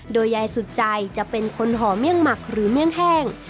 โดยยายสุดใจจะเป็นคนห่อเมี่ยงหมักหรือเมี่ยงแห้ง